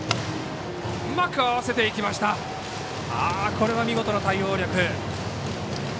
これは見事な対応力。